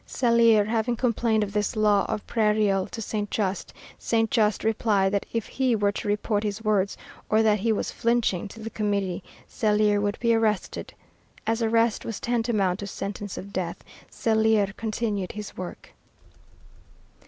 Scellier having complained of this law of Prairial to Saint Just, Saint Just replied that if he were to report his words, or that he was flinching, to the Committee, Scellier would be arrested. As arrest was tantamount to sentence of death, Scellier continued his work.